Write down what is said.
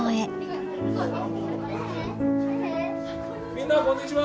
みんなこんにちは！